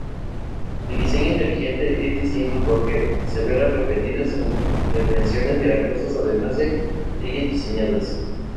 El diseño inteligente es distinto porque asevera repetidas intervenciones milagrosas además de leyes diseñadas.